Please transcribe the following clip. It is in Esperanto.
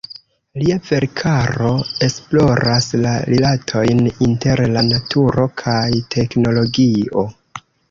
Lia verkaro esploras la rilatojn inter la naturo kaj teknologio.